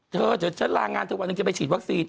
เธอจะฉันลางงานเธอวันนึงจะไปฉีดวัคซีน